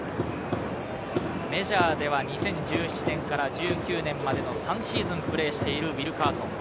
メジャーでは２０１７年から１９年までの３シーズンプレーしているウィルカーソン。